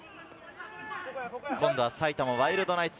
今度は埼玉ワイルドナイツ。